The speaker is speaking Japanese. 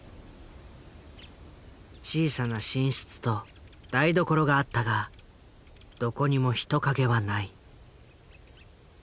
小さな寝室と台所があったがどこにも人影はない。